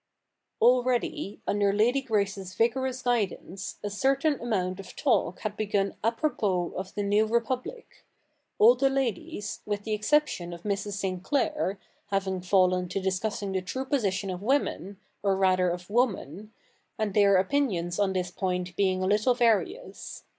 Already, under Lady Grace's vigorous guidance, a certain amount of talk had begun apropos of the new CH. Ill] THE NEW REPUBLIC 109 Republic : all the ladies, with the exception of ]Mrs. Sinclair, having fallen to discussing the true position of women, or rather of woman, and their opinions on this point being a little various.